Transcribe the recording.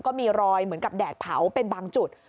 ก็มีรอยเหมือนกับแดดเผาเป็นบางจุด